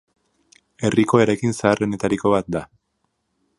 Herriko eraikin zaharrenetariko bat da.